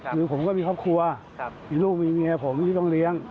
คือผมก็มีครอบครัวมีลูกมีเมียผมที่ต้องเลี้ยง